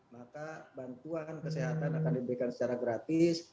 maka bantuan kesehatan akan diberikan secara gratis